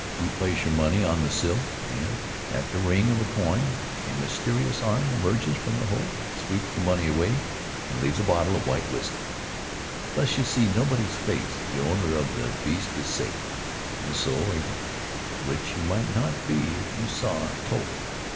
You place your money on the sill and, at the ring of the coin, a mysterious arm emerges from the hole, sweeps the money away and leaves a bottle of white whiskey. Thus you see nobody's face; the owner of the beast is safe, and so are you which you might not be, if you saw and told.